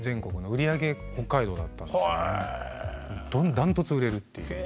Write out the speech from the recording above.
ダントツ売れるっていう。